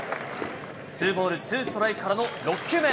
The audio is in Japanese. ツーボールツーストライクからの６球目。